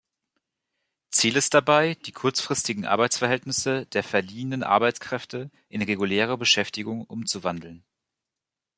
Ziel ist dabei, die kurzfristigen Arbeitsverhältnisse der „verliehenen Arbeitskräfte“ in reguläre Beschäftigung umzuwandeln.